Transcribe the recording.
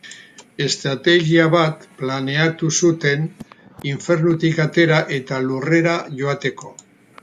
Estrategia bat planeatu zuten infernutik atera eta Lurrera joateko.